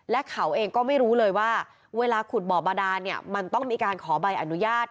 และเขาเองก็ไม่รู้เลยว่าเวลาขุดบ่อบาดานเนี่ยมันต้องมีการขอใบอนุญาต